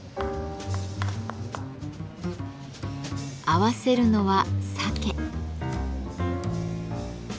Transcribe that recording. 合わせるのは鮭。